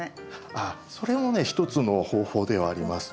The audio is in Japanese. あっそれもね一つの方法ではあります。